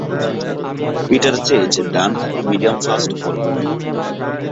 Peter Chase ডানহাতি medium fast bowling করেন।